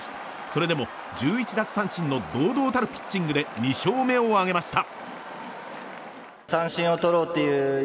それでも１１奪三振の堂々たるピッチングで２勝目を挙げました。